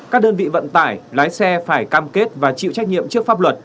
các đơn vị vận tải lái xe phải cam kết và chịu trách nhiệm trước pháp luật